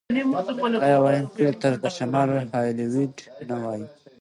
آیا وینکوور ته د شمال هالیوډ نه وايي؟